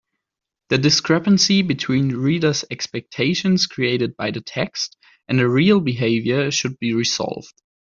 The discrepancy between reader’s expectations created by the text and the real behaviour should be resolved.